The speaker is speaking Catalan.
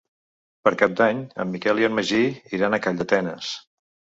Per Cap d'Any en Miquel i en Magí iran a Calldetenes.